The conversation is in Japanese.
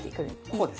こうですね。